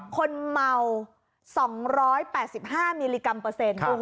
คนเมา๒๘๕มิลลิกรัมเปอร์เซ็นต์